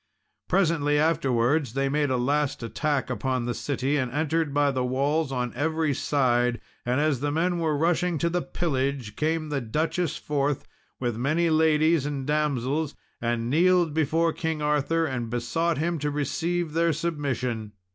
] Presently afterwards, they made a last attack upon the city, and entered by the walls on every side; and as the men were rushing to the pillage, came the Duchess forth, with many ladies and damsels, and kneeled before King Arthur; and besought him to receive their submission.